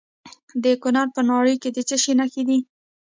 د کونړ په ناړۍ کې د څه شي نښې دي؟